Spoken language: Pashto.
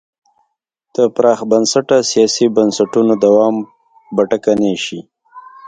د پراخ بنسټه سیاسي بنسټونو دوام به ټکنی شي.